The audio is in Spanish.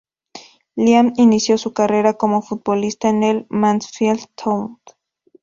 Liam inicio su carrera como futbolista en el Mansfield Town.